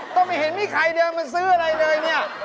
ก็ไม่เห็นมีใครเดินมาซื้ออะไรเลยเนี่ย